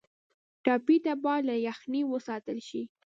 ټپي ته باید له یخنۍ وساتل شي.